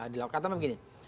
dilakukan katanya begini